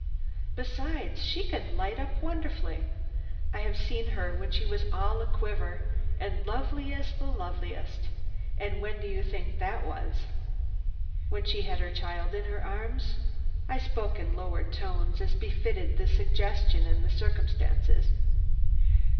Besides, she can light up wonderfully. I've seen her when she was all a quiver, and lovely as the loveliest. And when do you think that was?" "When she had her child in her arms." I spoke in lowered tones as befitted the suggestion and the circumstances.